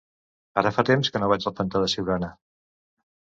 Ara fa temps que no vaig al pantà de Siurana.